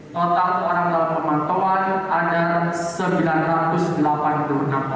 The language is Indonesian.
total orang dalam pemantauan ada sembilan ratus delapan puluh enam orang